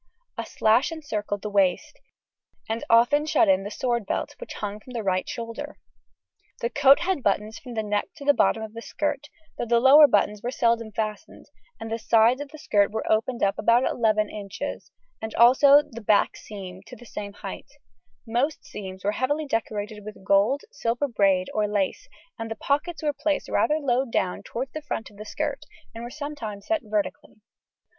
A sash encircled the waist, and often shut in the sword belt, which hung from the right shoulder. The coat had buttons from the neck to the bottom of the skirt, though the lower buttons were seldom fastened; the sides of the skirt were opened up about 11 inches, and also the back seam to the same height; most seams were heavily decorated with gold, silver braid, or lace, and the pockets were placed rather low down towards the front of the skirt, and were sometimes set vertically.